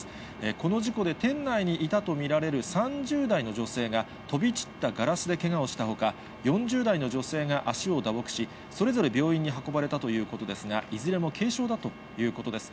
この事故で店内にいたと見られる３０代の女性が、飛び散ったガラスでけがをしたほか、４０代の女性が足を打撲し、それぞれ病院に運ばれたということですが、いずれも軽傷だということです。